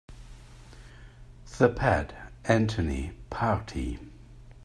The Pat Anthony Party.